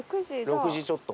６時ちょっと。